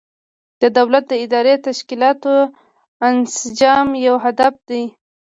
د دولت د اداري تشکیلاتو انسجام یو هدف دی.